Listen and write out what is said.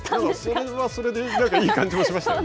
それはそれでいい感じもしましたよね。